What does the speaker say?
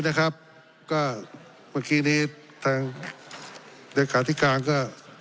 นะครับก็เมื่อกี้นี้สร้างหรือขาดที่กลางก็